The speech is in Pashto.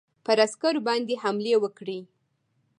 پر عسکرو باندي حملې وکړې.